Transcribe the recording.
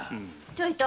ちょいと！